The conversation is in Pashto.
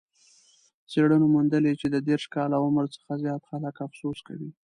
څېړنو موندلې چې د دېرش کاله عمر څخه زیات خلک افسوس کوي.